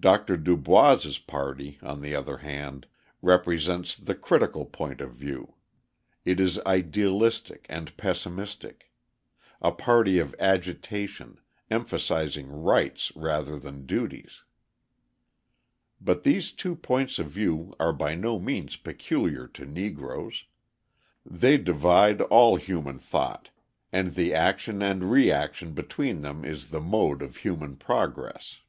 Dr. DuBois's party, on the other hand, represents the critical point of view. It is idealistic and pessimistic: a party of agitation, emphasising rights rather than duties. But these two points of view are by no means peculiar to Negroes: they divide all human thought; and the action and reaction between them is the mode of human progress.